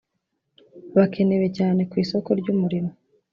bakenewe cyane ku isoko ry umurimo